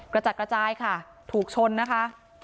กระจัดกระจายค่ะถูกชนนะคะ